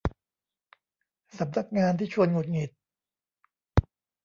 สำนักงานที่ชวนหงุดหงิด